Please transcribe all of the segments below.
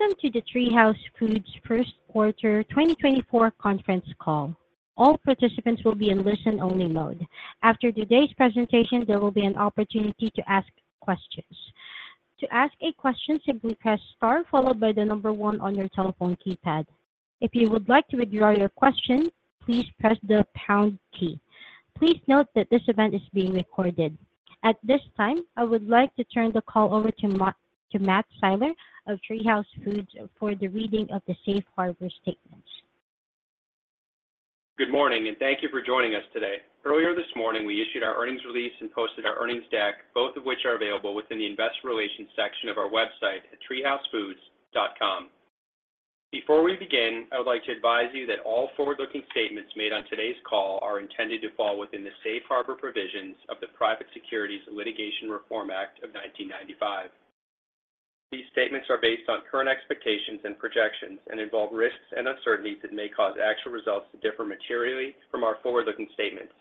Welcome to the TreeHouse Foods First Quarter 2024 conference call. All participants will be in listen-only mode. After today's presentation, there will be an opportunity to ask questions. To ask a question, simply press star followed by the number one on your telephone keypad. If you would like to withdraw your question, please press the pound key. Please note that this event is being recorded. At this time, I would like to turn the call over to Matt Siler of TreeHouse Foods for the reading of the Safe Harbor statements. Good morning, and thank you for joining us today. Earlier this morning, we issued our earnings release and posted our earnings deck, both of which are available within the Investor Relations section of our website at treehousefoods.com. Before we begin, I would like to advise you that all forward-looking statements made on today's call are intended to fall within the Safe Harbor provisions of the Private Securities Litigation Reform Act of 1995. These statements are based on current expectations and projections and involve risks and uncertainties that may cause actual results to differ materially from our forward-looking statements.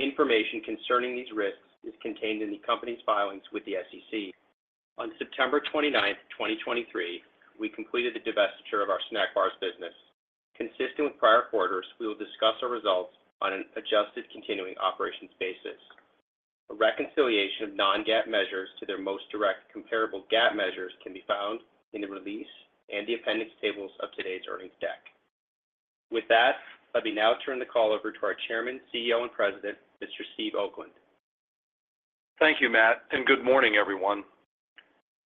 Information concerning these risks is contained in the company's filings with the SEC. On September 29th, 2023, we completed the divestiture of our snack bars business. Consistent with prior quarters, we will discuss our results on an adjusted continuing operations basis. A reconciliation of non-GAAP measures to their most direct comparable GAAP measures can be found in the release and the appendix tables of today's earnings deck. With that, let me now turn the call over to our Chairman, CEO, and President, Mr. Steve Oakland. Thank you, Matt, and good morning, everyone.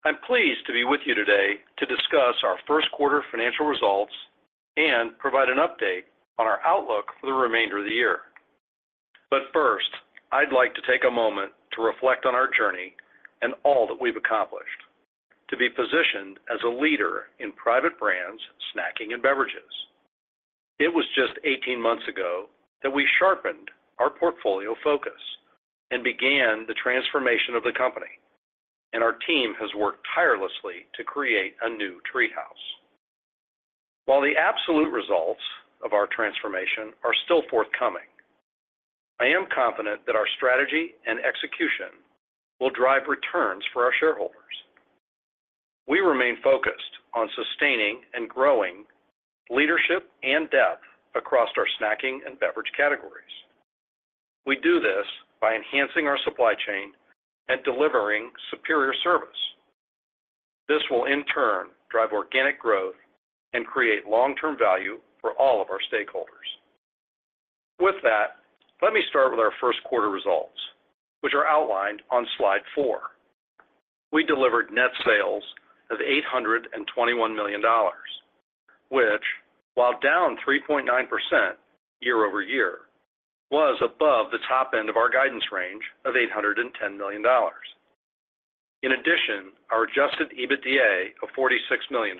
I'm pleased to be with you today to discuss our first quarter financial results and provide an update on our outlook for the remainder of the year. But first, I'd like to take a moment to reflect on our journey and all that we've accomplished to be positioned as a leader in private brands, snacking, and beverages. It was just 18 months ago that we sharpened our portfolio focus and began the transformation of the company, and our team has worked tirelessly to create a new TreeHouse. While the absolute results of our transformation are still forthcoming, I am confident that our strategy and execution will drive returns for our shareholders. We remain focused on sustaining and growing leadership and depth across our snacking and beverage categories. We do this by enhancing our supply chain and delivering superior service. This will, in turn, drive organic growth and create long-term value for all of our stakeholders. With that, let me start with our first quarter results, which are outlined on slide four. We delivered net sales of $821 million, which, while down 3.9% year-over-year, was above the top end of our guidance range of $810 million. In addition, our Adjusted EBITDA of $46 million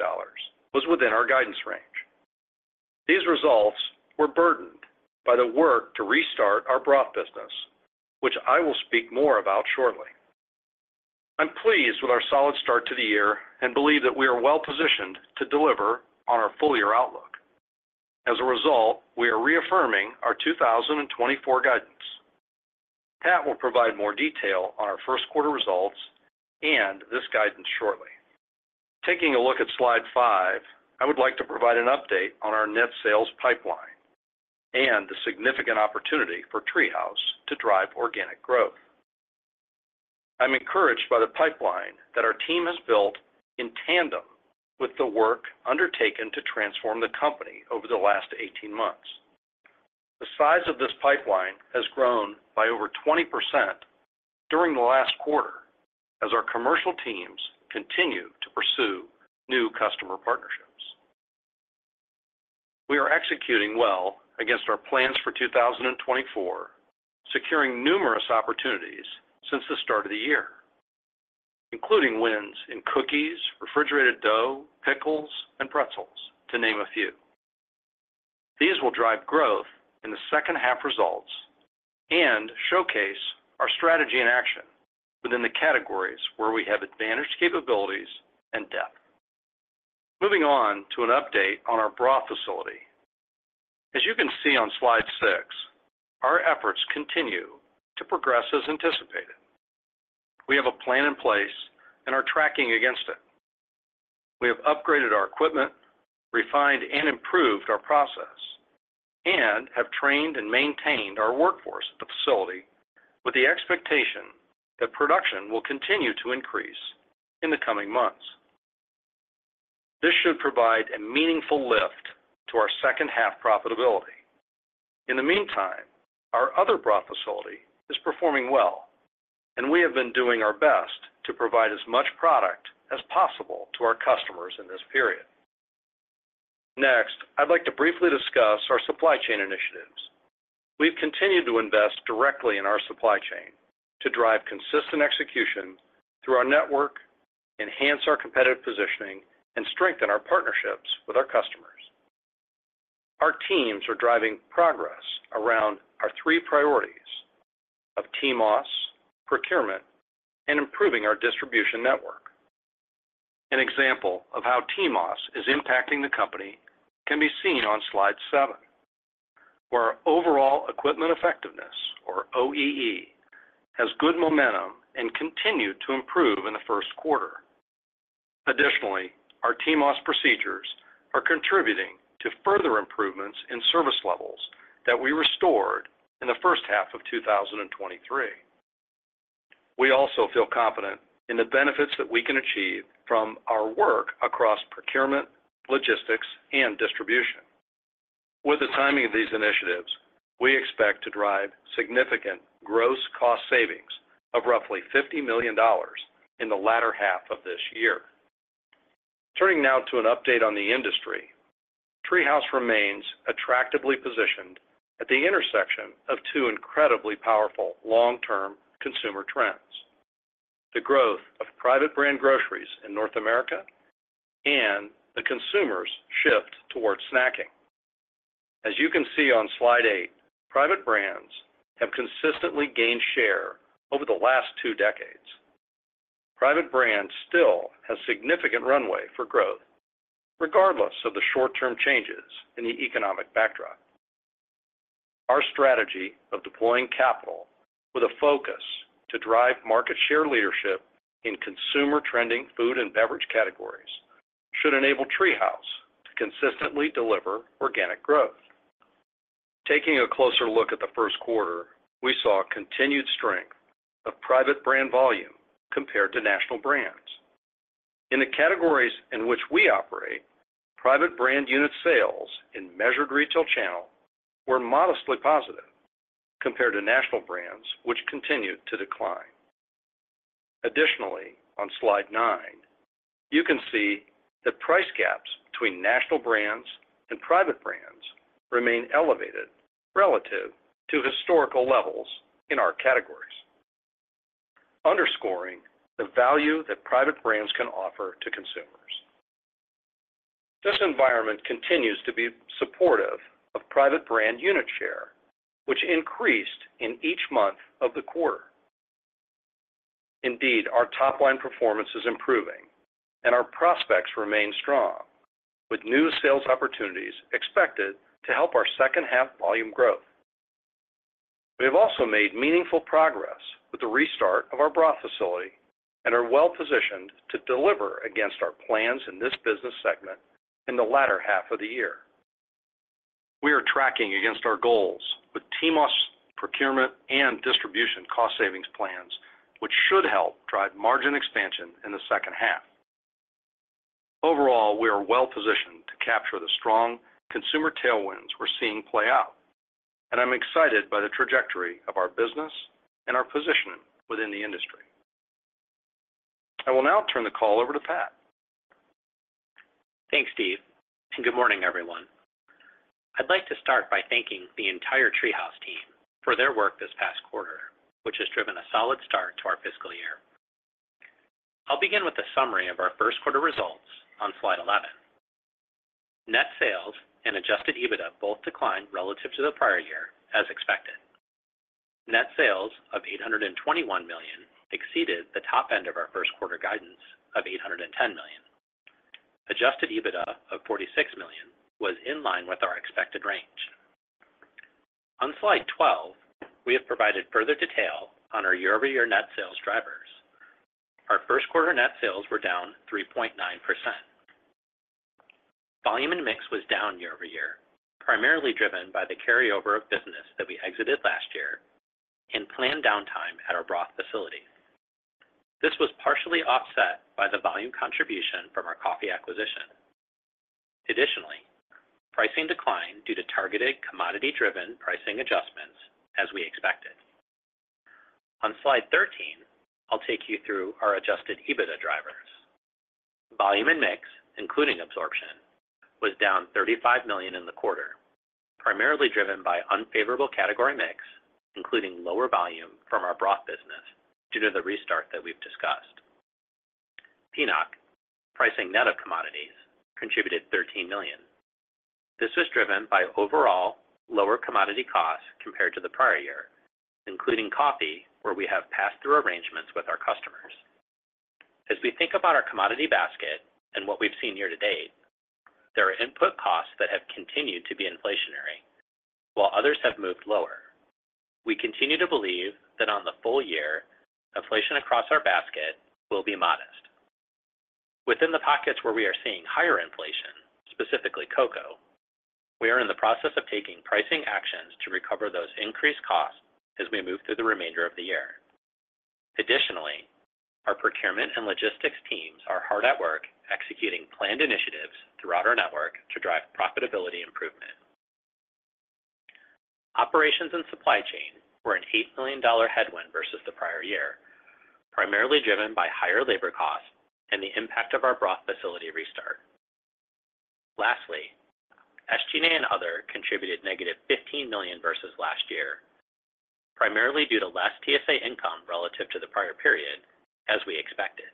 was within our guidance range. These results were burdened by the work to restart our broth business, which I will speak more about shortly. I'm pleased with our solid start to the year and believe that we are well-positioned to deliver on our full-year outlook. As a result, we are reaffirming our 2024 guidance. Pat will provide more detail on our first quarter results and this guidance shortly. Taking a look at slide 5, I would like to provide an update on our net sales pipeline and the significant opportunity for TreeHouse to drive organic growth. I'm encouraged by the pipeline that our team has built in tandem with the work undertaken to transform the company over the last 18 months. The size of this pipeline has grown by over 20% during the last quarter as our commercial teams continue to pursue new customer partnerships. We are executing well against our plans for 2024, securing numerous opportunities since the start of the year, including wins in cookies, refrigerated dough, pickles, and pretzels, to name a few. These will drive growth in the second-half results and showcase our strategy in action within the categories where we have advantaged capabilities and depth. Moving on to an update on our broth facility. As you can see on slide six, our efforts continue to progress as anticipated. We have a plan in place and are tracking against it. We have upgraded our equipment, refined and improved our process, and have trained and maintained our workforce at the facility with the expectation that production will continue to increase in the coming months. This should provide a meaningful lift to our second-half profitability. In the meantime, our other broth facility is performing well, and we have been doing our best to provide as much product as possible to our customers in this period. Next, I'd like to briefly discuss our supply chain initiatives. We've continued to invest directly in our supply chain to drive consistent execution through our network, enhance our competitive positioning, and strengthen our partnerships with our customers. Our teams are driving progress around our three priorities of TMOS, procurement, and improving our distribution network. An example of how TMOS is impacting the company can be seen on slide 7, where our overall equipment effectiveness, or OEE, has good momentum and continued to improve in the first quarter. Additionally, our TMOS procedures are contributing to further improvements in service levels that we restored in the first half of 2023. We also feel confident in the benefits that we can achieve from our work across procurement, logistics, and distribution. With the timing of these initiatives, we expect to drive significant gross cost savings of roughly $50 million in the latter half of this year. Turning now to an update on the industry, TreeHouse remains attractively positioned at the intersection of two incredibly powerful long-term consumer trends: the growth of private brand groceries in North America and the consumers' shift towards snacking. As you can see on slide eight, private brands have consistently gained share over the last two decades. Private brands still have significant runway for growth, regardless of the short-term changes in the economic backdrop. Our strategy of deploying capital with a focus to drive market share leadership in consumer-trending food and beverage categories should enable TreeHouse to consistently deliver organic growth. Taking a closer look at the first quarter, we saw continued strength of private brand volume compared to national brands. In the categories in which we operate, private brand unit sales in measured retail channel were modestly positive compared to national brands, which continued to decline. Additionally, on slide 9, you can see that price gaps between national brands and private brands remain elevated relative to historical levels in our categories, underscoring the value that private brands can offer to consumers. This environment continues to be supportive of private brand unit share, which increased in each month of the quarter. Indeed, our top-line performance is improving and our prospects remain strong, with new sales opportunities expected to help our second half volume growth. We have also made meaningful progress with the restart of our broth facility and are well-positioned to deliver against our plans in this business segment in the latter half of the year. We are tracking against our goals with TMOS, procurement, and distribution cost savings plans, which should help drive margin expansion in the second half. Overall, we are well positioned to capture the strong consumer tailwinds we're seeing play out, and I'm excited by the trajectory of our business and our position within the industry. I will now turn the call over to Pat. Thanks, Steve, and good morning, everyone. I'd like to start by thanking the entire TreeHouse team for their work this past quarter, which has driven a solid start to our fiscal year. I'll begin with a summary of our first quarter results on slide 11. Net sales and Adjusted EBITDA both declined relative to the prior year, as expected. Net sales of $821 million exceeded the top end of our first quarter guidance of $810 million. Adjusted EBITDA of $46 million was in line with our expected range. On slide 12, we have provided further detail on our year-over-year net sales drivers. Our first quarter net sales were down 3.9%. Volume and mix was down year over year, primarily driven by the carryover of business that we exited last year and planned downtime at our broth facility. This was partially offset by the volume contribution from our coffee acquisition. Additionally, pricing declined due to targeted commodity-driven pricing adjustments, as we expected. On slide 13, I'll take you through our Adjusted EBITDA drivers. Volume and mix, including absorption, was down $35 million in the quarter, primarily driven by unfavorable category mix, including lower volume from our broth business due to the restart that we've discussed. PNOC, pricing net of commodities, contributed $13 million. This was driven by overall lower commodity costs compared to the prior year, including coffee, where we have passed-through arrangements with our customers. As we think about our commodity basket and what we've seen year to date, there are input costs that have continued to be inflationary while others have moved lower. We continue to believe that on the full year, inflation across our basket will be modest. Within the pockets where we are seeing higher inflation, specifically cocoa, we are in the process of taking pricing actions to recover those increased costs as we move through the remainder of the year. Additionally, our procurement and logistics teams are hard at work executing planned initiatives throughout our network to drive profitability improvement. Operations and supply chain were an $8 million headwind versus the prior year, primarily driven by higher labor costs and the impact of our broth facility restart. Lastly, SG&A and other contributed negative $15 million versus last year, primarily due to less TSA income relative to the prior period, as we expected.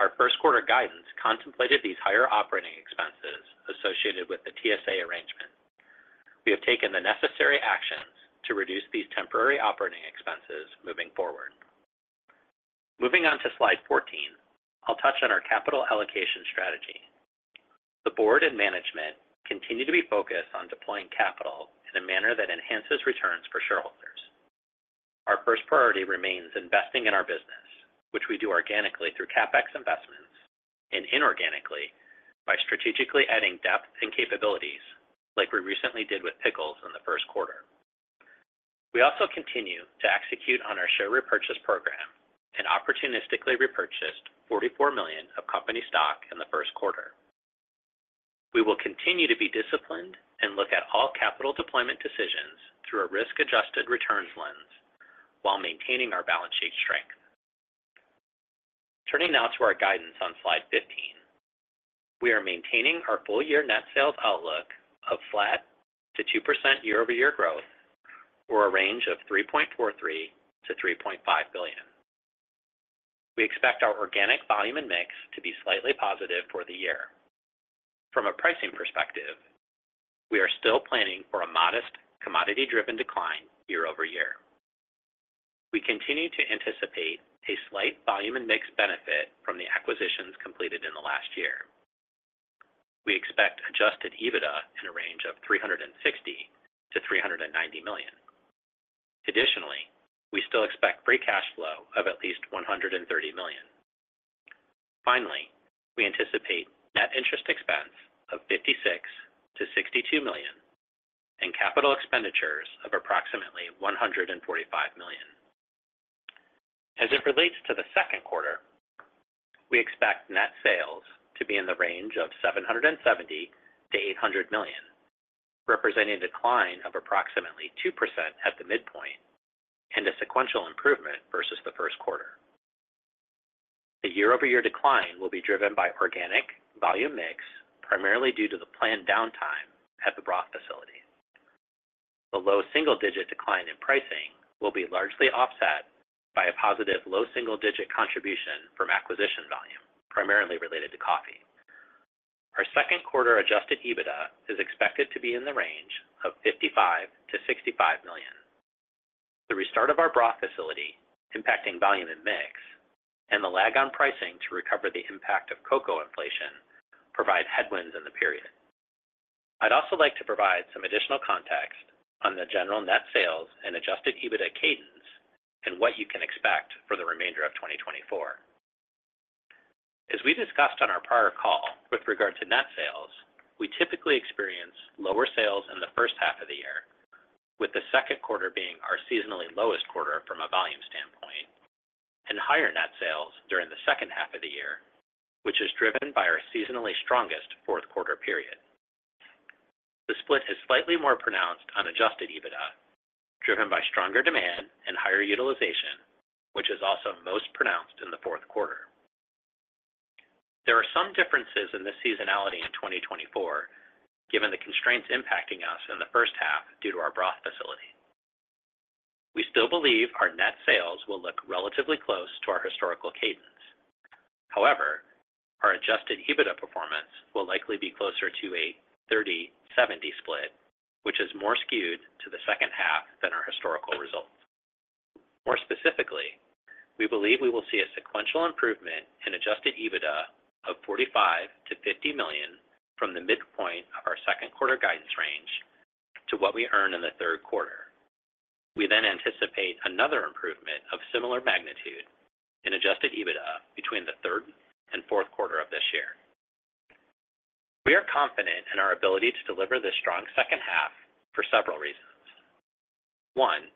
Our first quarter guidance contemplated these higher operating expenses associated with the TSA arrangement. We have taken the necessary actions to reduce these temporary operating expenses moving forward. Moving on to slide 14, I'll touch on our capital allocation strategy. The board and management continue to be focused on deploying capital in a manner that enhances returns for shareholders. Our first priority remains investing in our business, which we do organically through CapEx investments, and inorganically by strategically adding depth and capabilities, like we recently did with pickles in the first quarter. We also continue to execute on our share repurchase program and opportunistically repurchased $44 million of company stock in the first quarter. We will continue to be disciplined and look at all capital deployment decisions through a risk-adjusted returns lens while maintaining our balance sheet strength. Turning now to our guidance on Slide 15. We are maintaining our full year net sales outlook of flat to 2% year-over-year growth, or a range of $3.43 billion-$3.5 billion. We expect our organic volume and mix to be slightly positive for the year. From a pricing perspective, we are still planning for a modest commodity-driven decline year over year. We continue to anticipate a slight volume and mix benefit from the acquisitions completed in the last year. We expect Adjusted EBITDA in a range of $360 million-$390 million. Additionally, we still expect free cash flow of at least $130 million. Finally, we anticipate net interest expense of $56 million-$62 million and capital expenditures of approximately $145 million. As it relates to the second quarter, we expect net sales to be in the range of $770 million-$800 million, representing a decline of approximately 2% at the midpoint and a sequential improvement versus the first quarter. The year-over-year decline will be driven by organic volume mix, primarily due to the planned downtime at the broth facility. The low single-digit decline in pricing will be largely offset by a positive, low single-digit contribution from acquisition volume, primarily related to coffee. Our second quarter Adjusted EBITDA is expected to be in the range of $55 million-$65 million. The restart of our broth facility, impacting volume and mix, and the lag on pricing to recover the impact of cocoa inflation provide headwinds in the period. I'd also like to provide some additional context on the general net sales and Adjusted EBITDA cadence and what you can expect for the remainder of 2024. As we discussed on our prior call with regard to net sales, we typically experience lower sales in the first half of the year, with the second quarter being our seasonally lowest quarter from a volume standpoint, and higher net sales during the second half of the year, which is driven by our seasonally strongest fourth quarter period. The split is slightly more pronounced on Adjusted EBITDA, driven by stronger demand and higher utilization, which is also most pronounced in the fourth quarter. There are some differences in the seasonality in 2024, given the constraints impacting us in the first half due to our broth facility. We still believe our net sales will look relatively close to our historical cadence. However, our Adjusted EBITDA performance will likely be closer to a 30/70 split, which is more skewed to the second half than our historical results. More specifically, we believe we will see a sequential improvement in Adjusted EBITDA of $45 million-$50 million from the midpoint of our second quarter guidance range to what we earn in the third quarter. We then anticipate another improvement of similar magnitude in Adjusted EBITDA between the third and fourth quarter of this year. We are confident in our ability to deliver this strong second half for several reasons. One,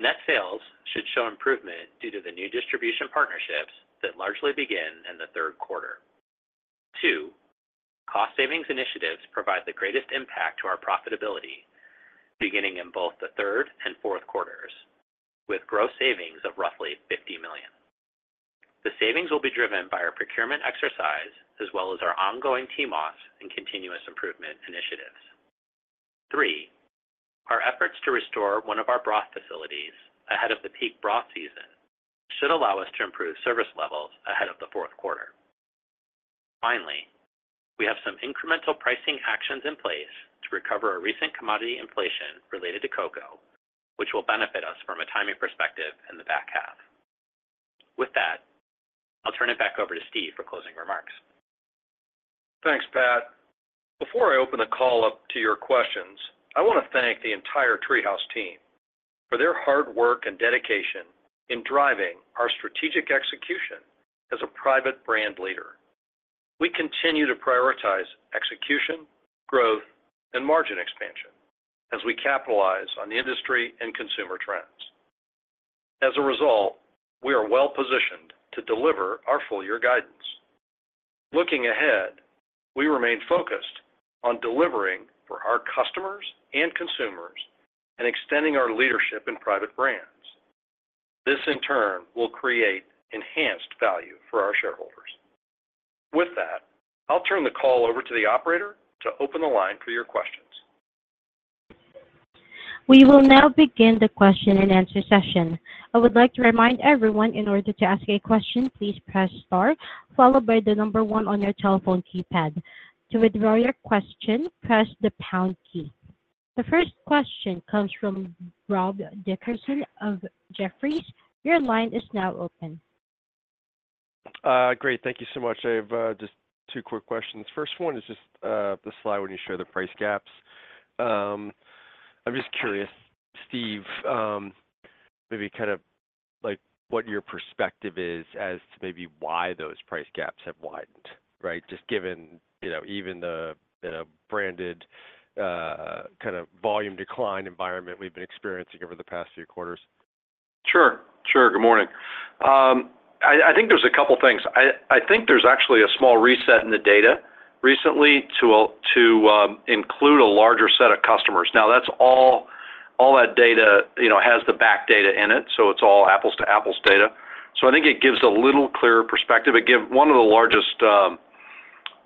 net sales should show improvement due to the new distribution partnerships that largely begin in the third quarter. Two, cost savings initiatives provide the greatest impact to our profitability, beginning in both the third and fourth quarters, with gross savings of roughly $50 million. The savings will be driven by our procurement exercise as well as our ongoing TMOS and continuous improvement initiatives. 3, our efforts to restore one of our broth facilities ahead of the peak broth season should allow us to improve service levels ahead of the fourth quarter. Finally, we have some incremental pricing actions in place to recover our recent commodity inflation related to cocoa, which will benefit us from a timing perspective in the back half. With that, I'll turn it back over to Steve for closing remarks. Thanks, Pat. Before I open the call up to your questions, I want to thank the entire TreeHouse team for their hard work and dedication in driving our strategic execution as a private brand leader. We continue to prioritize execution, growth, and margin expansion as we capitalize on the industry and consumer trends. As a result, we are well positioned to deliver our full year guidance. Looking ahead, we remain focused on delivering for our customers and consumers and extending our leadership in private brands. This, in turn, will create enhanced value for our shareholders. With that, I'll turn the call over to the operator to open the line for your questions. We will now begin the question and answer session. I would like to remind everyone, in order to ask a question, please press star, followed by the number one on your telephone keypad. To withdraw your question, press the pound key. The first question comes from Rob Dickerson of Jefferies. Your line is now open. Great. Thank you so much. I have just two quick questions. First one is just the slide when you show the price gaps. I'm just curious, Steve, maybe kind of like what your perspective is as to maybe why those price gaps have widened, right? Just given, you know, even the branded kind of volume decline environment we've been experiencing over the past few quarters. Sure, sure. Good morning. I think there's a couple things. I think there's actually a small reset in the data recently to include a larger set of customers. Now, that's all that data, you know, has the back data in it, so it's all apples to apples data. So I think it gives a little clearer perspective. One of the largest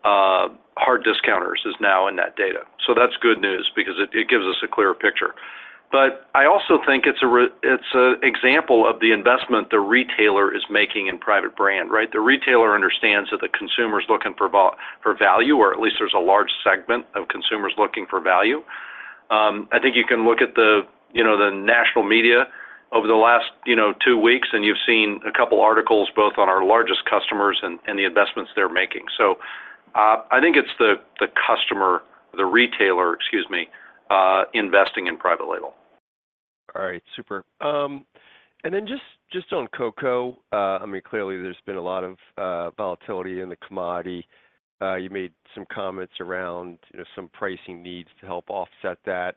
hard discounters is now in that data. So that's good news because it gives us a clearer picture. But I also think it's an example of the investment the retailer is making in private brand, right? The retailer understands that the consumer is looking for value, or at least there's a large segment of consumers looking for value. I think you can look at the, you know, the national media over the last, you know, two weeks, and you've seen a couple articles both on our largest customers and the investments they're making. So, I think it's the customer, the retailer, excuse me, investing in private label. All right. Super. And then just, just on cocoa, I mean, clearly, there's been a lot of volatility in the commodity. You made some comments around, you know, some pricing needs to help offset that.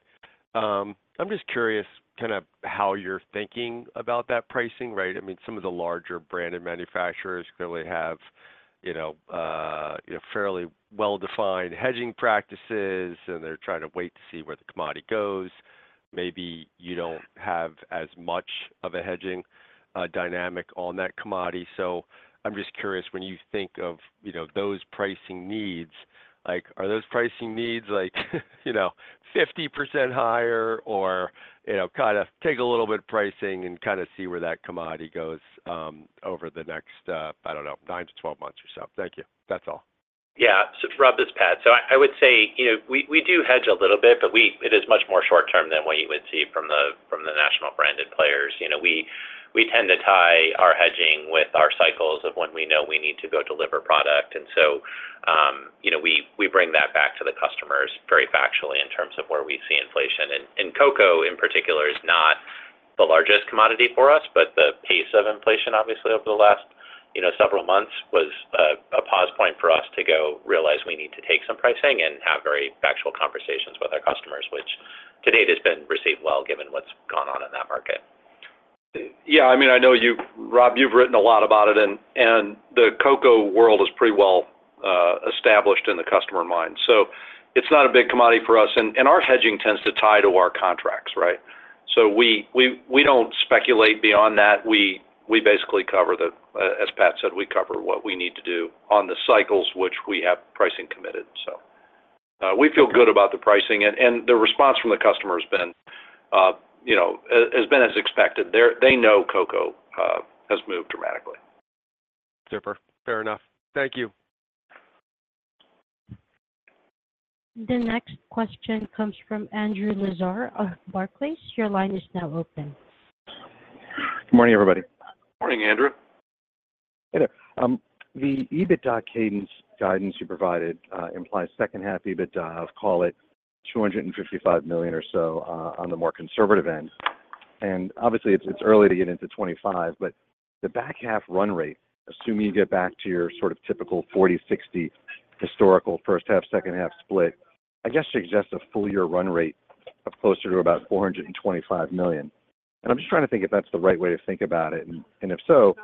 I'm just curious kind of how you're thinking about that pricing, right? I mean, some of the larger branded manufacturers clearly have, you know, fairly well-defined hedging practices, and they're trying to wait to see where the commodity goes. Maybe you don't have as much of a hedging dynamic on that commodity. So I'm just curious, when you think of, you know, those pricing needs, like, are those pricing needs, like, you know, 50% higher or, you know, kind of take a little bit of pricing and kind of see where that commodity goes, over the next, I don't know, 9-12 months or so? Thank you. That's all. Yeah. So Rob, this is Pat. So I, I would say, you know, we, we do hedge a little bit, but we, it is much more short term than what you would see from the, from the national branded players. You know, we, we tend to tie our hedging with our cycles of when we know we need to go deliver product. And so, you know, we, we bring that back to the customers very factually in terms of where we see inflation. And, and cocoa, in particular, is not the largest commodity for us, but the pace of inflation, obviously, over the last, you know, several months was, a pause point for us to go realize we need to take some pricing and have very factual conversations with our customers, which to date has been received well, given what's gone on in that market. Yeah, I mean, I know you've, Rob, you've written a lot about it, and the cocoa world is pretty well established in the customer mind. So it's not a big commodity for us, and our hedging tends to tie to our contracts, right? So we don't speculate beyond that. We basically cover the, as Pat said, we cover what we need to do on the cycles, which we have pricing committed. So, we feel good about the pricing and the response from the customer has been, you know, has been as expected. They know cocoa has moved dramatically. Super. Fair enough. Thank you. The next question comes from Andrew Lazar of Barclays. Your line is now open. Good morning, everybody. Morning, Andrew. Hey there. The EBITDA cadence guidance you provided implies second half EBITDA of, call it, $255 million or so on the more conservative end. Obviously, it's early to get into 2025, but the back half run rate, assuming you get back to your sort of typical 40/60 historical first half, second half split, I guess, suggests a full year run rate of closer to about $425 million. I'm just trying to think if that's the right way to think about it. And if so,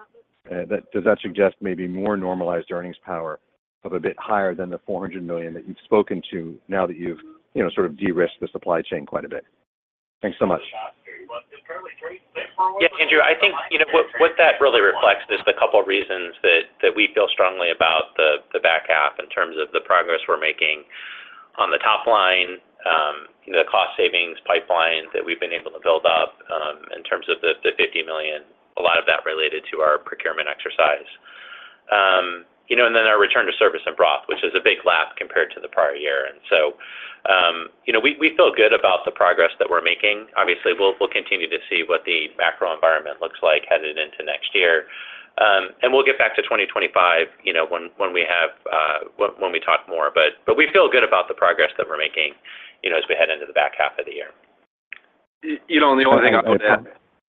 does that suggest maybe more normalized earnings power of a bit higher than the $400 million that you've spoken to now that you've, you know, sort of de-risked the supply chain quite a bit? Thanks so much. Yeah, Andrew, I think, you know, what that really reflects is the couple of reasons that we feel strongly about the back half in terms of the progress we're making on the top line, the cost savings pipeline that we've been able to build up, in terms of the $50 million, a lot of that related to our procurement exercise. You know, and then our return to service in broth, which is a big lap compared to the prior year. And so, you know, we feel good about the progress that we're making. Obviously, we'll continue to see what the macro environment looks like headed into next year. And we'll get back to 2025, you know, when we have, when we talk more. But we feel good about the progress that we're making, you know, as we head into the back half of the year. You know, and the only thing I would add,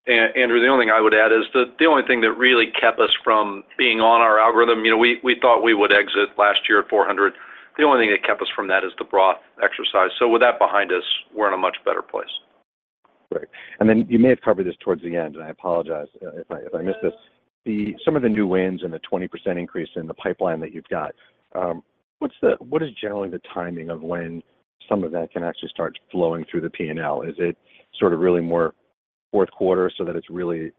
Andrew, the only thing I would add is the only thing that really kept us from being on our algorithm, you know, we thought we would exit last year at 400. The only thing that kept us from that is the broth exercise. So with that behind us, we're in a much better place. Great. And then you may have covered this towards the end, and I apologize if I, if I missed this. Some of the new wins and the 20% increase in the pipeline that you've got, what's the what is generally the timing of when some of that can actually start flowing through the P&L? Is it sort of really more fourth quarter so that it's really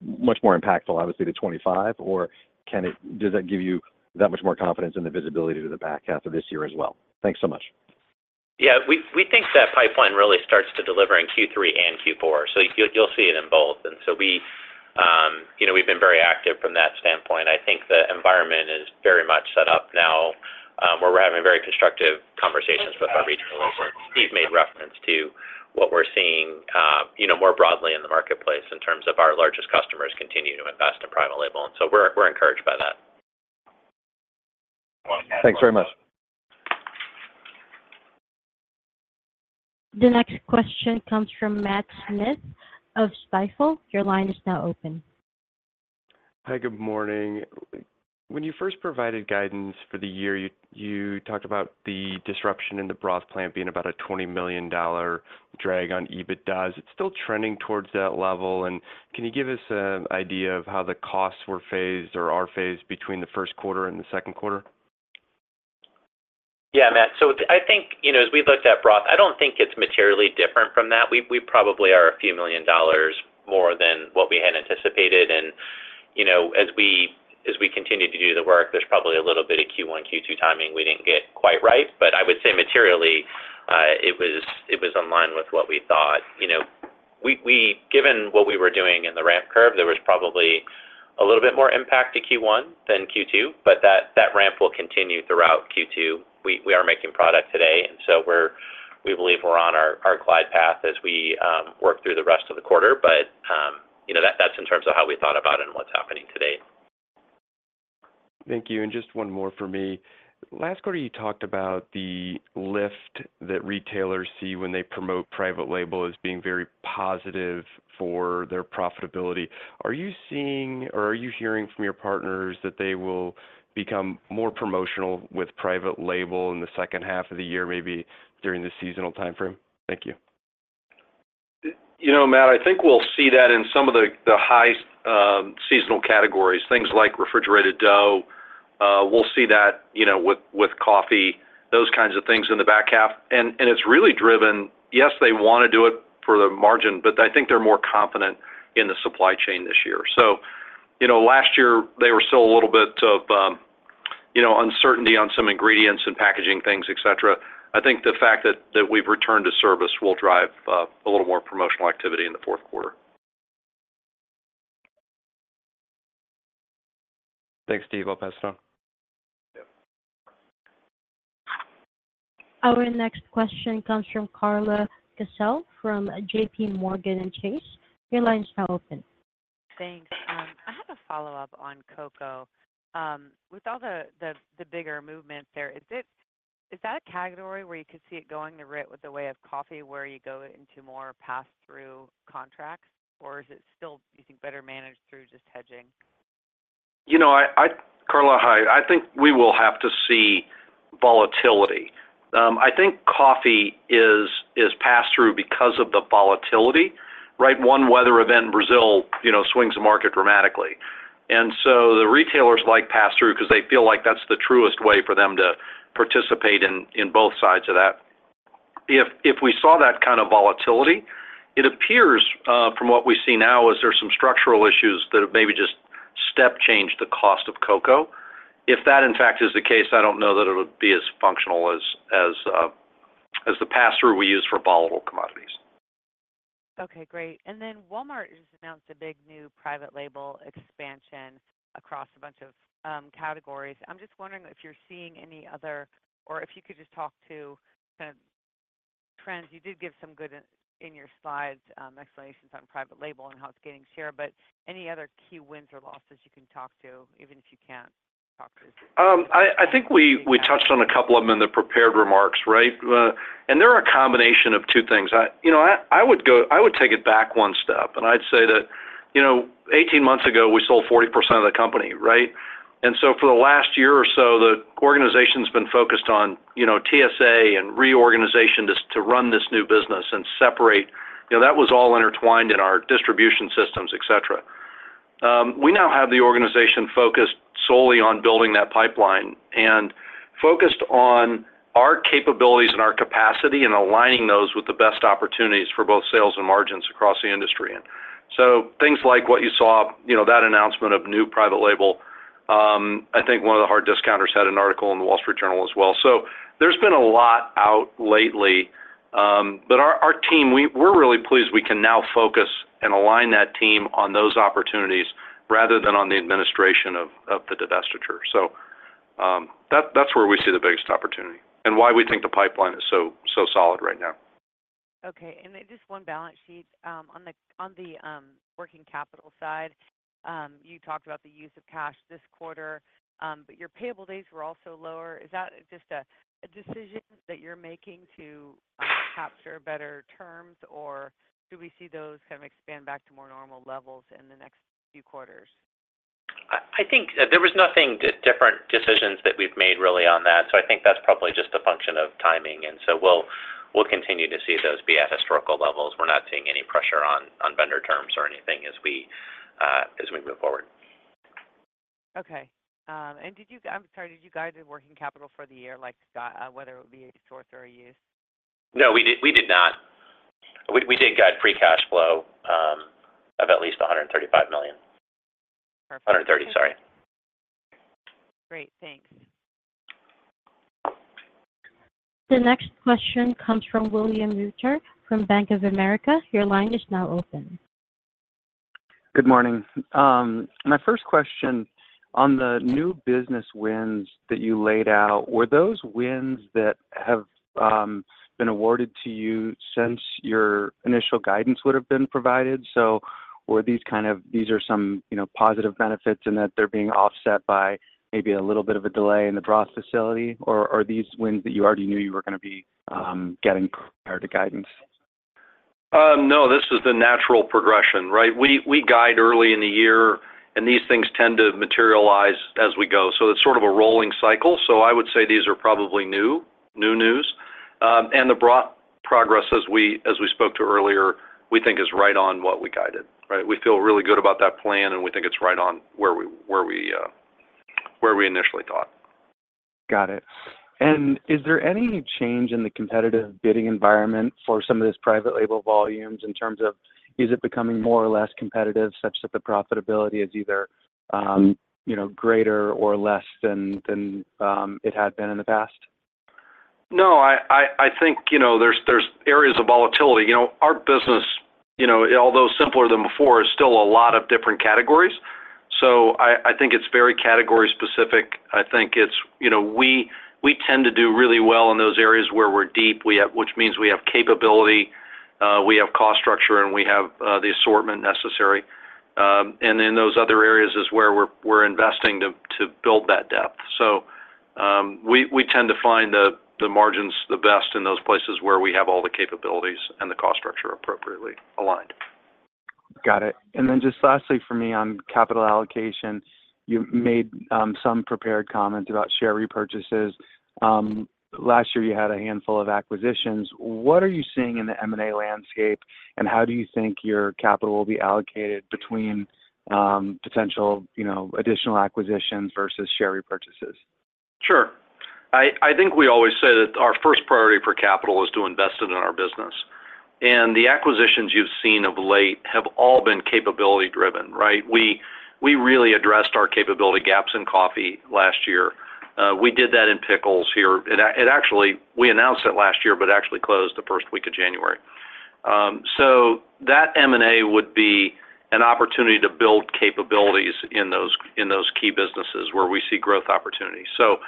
much more impactful, obviously, to 25, or can it does that give you that much more confidence in the visibility to the back half of this year as well? Thanks so much. Yeah, we think that pipeline really starts to deliver in Q3 and Q4, so you'll see it in both. And so we, you know, we've been very active from that standpoint. I think the environment is very much set up now, where we're having very constructive conversations with our regional leaders. Steve made reference to what we're seeing, you know, more broadly in the marketplace in terms of our largest customers continue to invest in private label, and so we're encouraged by that. Thanks very much. The next question comes from Matt Smith of Stifel. Your line is now open. Hi, good morning. When you first provided guidance for the year, you talked about the disruption in the broth plant being about a $20 million drag on EBITDA. Is it still trending towards that level? And can you give us an idea of how the costs were phased or are phased between the first quarter and the second quarter? Yeah, Matt. So I think, you know, as we looked at broth, I don't think it's materially different from that. We, we probably are $a few million more than what we had anticipated, and, you know, as we, as we continue to do the work, there's probably a little bit of Q1, Q2 timing we didn't get quite right. But I would say materially, it was, it was in line with what we thought. You know, we, we - given what we were doing in the ramp curve, there was probably a little bit more impact to Q1 than Q2, but that, that ramp will continue throughout Q2. We, we are making product today, and so we're - we believe we're on our, our glide path as we work through the rest of the quarter. You know, that's in terms of how we thought about it and what's happening today. Thank you. And just one more for me. Last quarter, you talked about the lift that retailers see when they promote private label as being very positive for their profitability. Are you seeing or are you hearing from your partners that they will become more promotional with private label in the second half of the year, maybe during the seasonal time frame? Thank you. You know, Matt, I think we'll see that in some of the high seasonal categories, things like refrigerated dough. We'll see that, you know, with coffee, those kinds of things in the back half. And it's really driven... Yes, they wanna do it for the margin, but I think they're more confident in the supply chain this year. So, you know, last year they were still a little bit of, you know, uncertainty on some ingredients and packaging things, et cetera. I think the fact that we've returned to service will drive a little more promotional activity in the fourth quarter. Thanks, Steve. I'll pass it on. Our next question comes from Carla Casella from J.P. Morgan. Your line is now open. Thanks. I have a follow-up on cocoa. With all the bigger movement there, is that a category where you could see it going the route with the way of coffee, where you go into more pass-through contracts, or is it still, you think, better managed through just hedging? You know, Carla, hi. I think we will have to see volatility. I think coffee is passed through because of the volatility, right? One weather event in Brazil, you know, swings the market dramatically. And so the retailers like pass-through because they feel like that's the truest way for them to participate in both sides of that. If we saw that kind of volatility, it appears from what we see now there are some structural issues that have maybe just step changed the cost of cocoa. If that, in fact, is the case, I don't know that it would be as functional as the pass-through we use for volatile commodities. Okay, great. And then Walmart just announced a big new private label expansion across a bunch of categories. I'm just wondering if you're seeing any other or if you could just talk to the trends. You did give some good in your slides explanations on private label and how it's gaining share, but any other key wins or losses you can talk to, even if you can't talk to? I think we touched on a couple of them in the prepared remarks, right? And they're a combination of two things. You know, I would take it back one step, and I'd say that, you know, 18 months ago, we sold 40% of the company, right? And so for the last year or so, the organization's been focused on, you know, TSA and reorganization to run this new business and separate. You know, that was all intertwined in our distribution systems, et cetera. We now have the organization focused solely on building that pipeline and focused on our capabilities and our capacity and aligning those with the best opportunities for both sales and margins across the industry. So things like what you saw, you know, that announcement of new private label, I think one of the hard discounters had an article in the Wall Street Journal as well. So there's been a lot out lately, but our team, we're really pleased we can now focus and align that team on those opportunities rather than on the administration of the divestiture. So, that's where we see the biggest opportunity and why we think the pipeline is so solid right now. Okay. And then just one balance sheet. On the working capital side, you talked about the use of cash this quarter, but your payable days were also lower. Is that just a decision that you're making to capture better terms, or do we see those kind of expand back to more normal levels in the next few quarters? I think there was nothing different decisions that we've made really on that, so I think that's probably just a function of timing, and so we'll continue to see those be at historical levels. We're not seeing any pressure on vendor terms or anything as we move forward. Okay. Did you... I'm sorry, did you guide the working capital for the year, like, whether it would be a source or a use? No, we did not. We did guide free cash flow of at least $135 million. Perfect. 130, sorry. Great. Thanks. The next question comes from William Reuter from Bank of America. Your line is now open. Good morning. My first question, on the new business wins that you laid out, were those wins that have been awarded to you since your initial guidance would have been provided? So were these kind of—these are some, you know, positive benefits and that they're being offset by maybe a little bit of a delay in the broth facility or, or are these wins that you already knew you were gonna be getting prior to guidance? No, this is the natural progression, right? We guide early in the year, and these things tend to materialize as we go. So it's sort of a rolling cycle, so I would say these are probably new news. And the broth progress, as we spoke to earlier, we think is right on what we guided, right? We feel really good about that plan, and we think it's right on where we initially thought. Got it. And is there any change in the competitive bidding environment for some of these private label volumes in terms of, is it becoming more or less competitive, such that the profitability is either, you know, greater or less than it had been in the past? No, I think, you know, there are areas of volatility. You know, our business, you know, although simpler than before, is still a lot of different categories. So I think it's very category specific. I think it's... You know, we tend to do really well in those areas where we're deep, we have—which means we have capability, we have cost structure, and we have the assortment necessary. And in those other areas is where we're investing to build that depth. So, we tend to find the margins the best in those places where we have all the capabilities and the cost structure appropriately aligned. Got it. And then just lastly for me on capital allocation, you made some prepared comments about share repurchases. Last year you had a handful of acquisitions. What are you seeing in the M&A landscape, and how do you think your capital will be allocated between potential, you know, additional acquisitions versus share repurchases? Sure. I think we always say that our first priority for capital is to invest it in our business, and the acquisitions you've seen of late have all been capability driven, right? We really addressed our capability gaps in coffee last year. We did that in pickles here. We announced it last year, but actually closed the first week of January. So that M&A would be an opportunity to build capabilities in those key businesses where we see growth opportunities. So,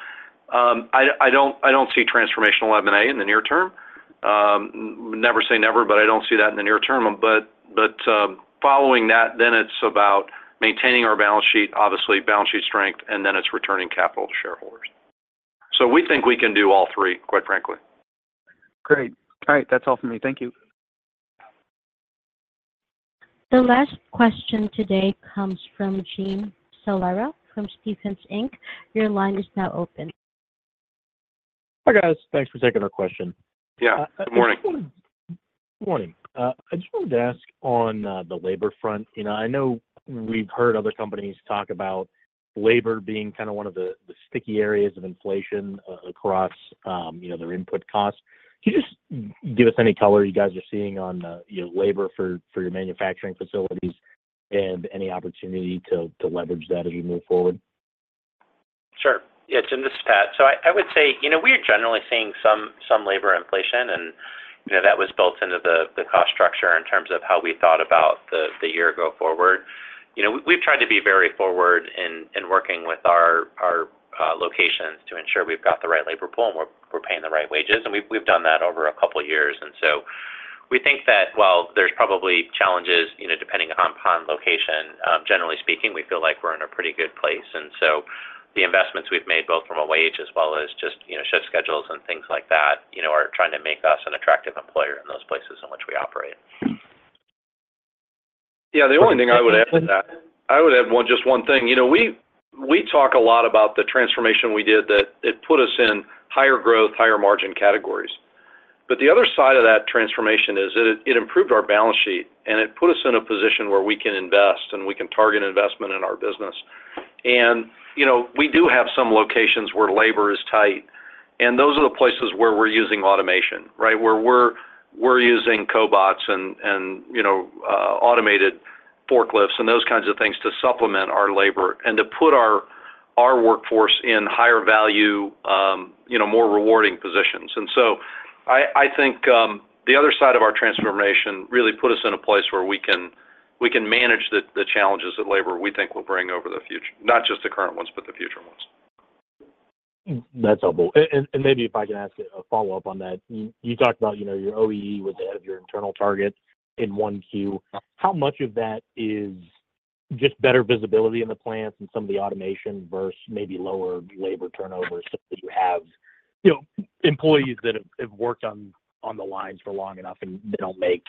I don't see transformational M&A in the near term. Never say never, but I don't see that in the near term. But, following that, then it's about maintaining our balance sheet, obviously balance sheet strength, and then it's returning capital to shareholders. So we think we can do all three, quite frankly. Great. All right, that's all for me. Thank you. The last question today comes from Jim Salera from Stephens Inc. Your line is now open. Hi, guys. Thanks for taking our question. Yeah, good morning. Good morning. I just wanted to ask on the labor front, you know, I know we've heard other companies talk about labor being kind of one of the sticky areas of inflation across, you know, their input costs. Can you just give us any color you guys are seeing on, you know, labor for your manufacturing facilities and any opportunity to leverage that as you move forward? Sure. Yeah, Jim, this is Pat. So I would say, you know, we are generally seeing some labor inflation and, you know, that was built into the cost structure in terms of how we thought about the year go forward. You know, we've tried to be very forward in working with our locations to ensure we've got the right labor pool and we're paying the right wages, and we've done that over a couple of years. And so we think that while there's probably challenges, you know, depending upon location, generally speaking, we feel like we're in a pretty good place. The investments we've made, both from a wage as well as just, you know, shift schedules and things like that, you know, are trying to make us an attractive employer in those places in which we operate. Yeah, the only thing I would add to that, I would add one—just one thing. You know, we talk a lot about the transformation we did, that it put us in higher growth, higher margin categories. But the other side of that transformation is it improved our balance sheet, and it put us in a position where we can invest, and we can target investment in our business. And, you know, we do have some locations where labor is tight, and those are the places where we're using automation, right? Where we're using cobots and, you know, automated forklifts and those kinds of things to supplement our labor and to put our workforce in higher value, you know, more rewarding positions. I think the other side of our transformation really put us in a place where we can manage the challenges that labor, we think, will bring over the future, not just the current ones, but the future ones. That's helpful. And maybe if I can ask a follow-up on that. You talked about, you know, your OEE was ahead of your internal targets in 1Q. How much of that is just better visibility in the plants and some of the automation versus maybe lower labor turnover, so that you have, you know, employees that have worked on the lines for long enough, and they don't make,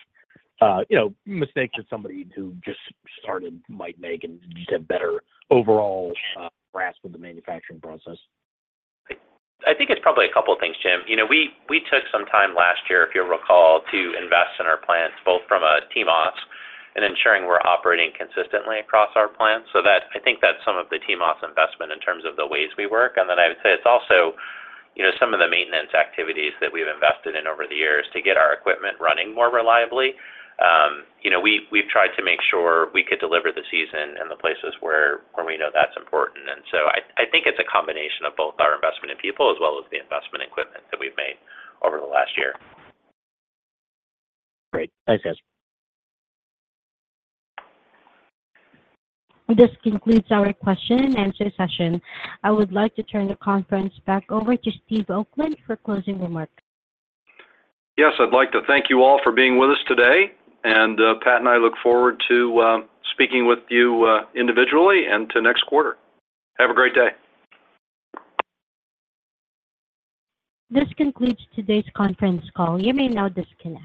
you know, mistakes that somebody who just started might make and just have better overall grasp of the manufacturing process? I, I think it's probably a couple of things, Jim. You know, we, we took some time last year, if you'll recall, to invest in our plants, both from a TMOS and ensuring we're operating consistently across our plants. So that-- I think that's some of the TMOS investment in terms of the ways we work. And then I would say it's also, you know, some of the maintenance activities that we've invested in over the years to get our equipment running more reliably. You know, we, we've tried to make sure we could deliver the season in the places where, where we know that's important. And so I, I think it's a combination of both our investment in people as well as the investment in equipment that we've made over the last year. Great. Thanks, guys. This concludes our question and answer session. I would like to turn the conference back over to Steve Oakland for closing remarks. Yes, I'd like to thank you all for being with us today, and Pat and I look forward to speaking with you individually and to next quarter. Have a great day. This concludes today's conference call. You may now disconnect.